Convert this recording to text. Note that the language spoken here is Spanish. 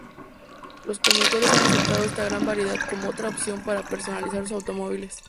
Los conductores han aceptado esta gran variedad como otra opción para personalizar sus automóviles.